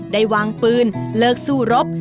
ได้วางปืนเลิกสู้รบ